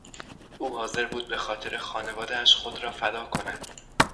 او حاضر بود به خاطر خانوادهاش خود را فدا کند.